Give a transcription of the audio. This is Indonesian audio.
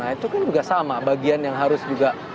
nah itu kan juga sama bagian yang harus juga